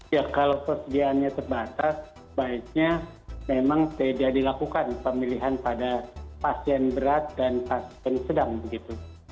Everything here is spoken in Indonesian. ya kalau persediaannya terbatas baiknya memang tidak dilakukan pemilihan pada pasien berat dan pasien sedang begitu